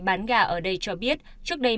bán gà ở đây cho biết trước đây